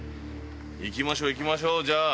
行きましょう行きましょうじゃあ。